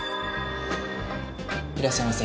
いらっしゃいませ。